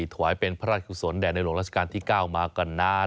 ถวายเป็นพระราชสุนแด่ในหลวงราชกาลที่เก้ามาก่อนนาน